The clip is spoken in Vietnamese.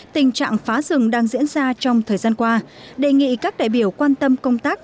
tình trạng phá rừng đang diễn ra trong thời gian qua đề nghị các đại biểu quan tâm công tác